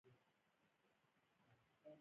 تالابونه د افغانستان په اوږده تاریخ کې ذکر شوي دي.